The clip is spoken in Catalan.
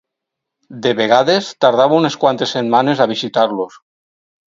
De vegades, tardava unes quantes setmanes a visitar-los.